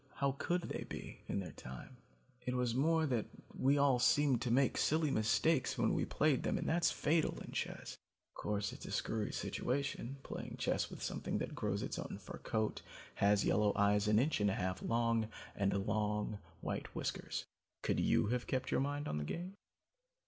How could they be, in the time? It was more that we all seemed to make silly mistakes when we played them and that's fatal in chess. Of course it's a screwy situation, playing chess with something that grows its own fur coat, has yellow eyes an inch and a half long and long white whiskers. Could you have kept your mind on the game?